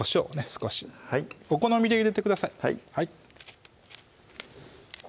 少しお好みで入れてください